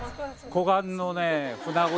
湖岸のね。